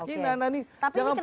ini nana ini jangan prasangka terus